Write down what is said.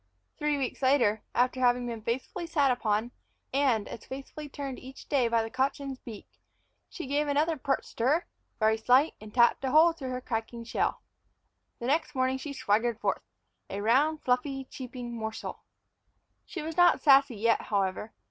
Three weeks later, after having been faithfully sat upon, and as faithfully turned each day by the cochin's beak, she gave another pert stir, very slight, and tapped a hole through her cracking shell. The next morning she swaggered forth, a round, fluffy, cheeping morsel. She was not Sassy yet, however.